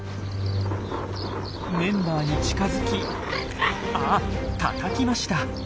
メンバーに近づきあったたきました。